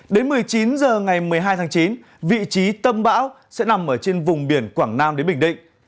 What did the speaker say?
đến một mươi chín h ngày một mươi hai tháng chín vị trí tâm bão sẽ nằm ở trên vùng biển quảng nam đến bình định